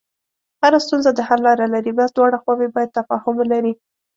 هره ستونزه د حل لاره لري، بس دواړه خواوې باید تفاهم ولري.